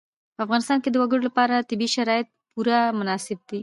په افغانستان کې د وګړي لپاره طبیعي شرایط پوره مناسب دي.